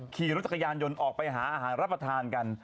ขี่รถจักรยานยนต์ออกไปหาอาหารรับประทานกัน